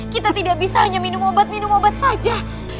kita tidak bisa hanya minum obat minum obat saja